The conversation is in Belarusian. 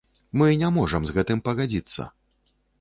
Мы не можам з гэтым пагадзіцца!